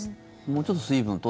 もうちょっと水分を。